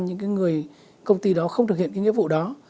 những người công ty đó không thực hiện cái nghĩa vụ đó